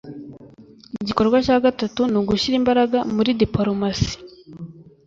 Igikorwa cya gatatu ni ugushyira imbaraga muri dipolomasi